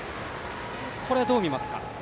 これはどう見ますか？